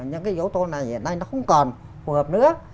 những cái dấu tôn này hiện nay nó không còn phù hợp nữa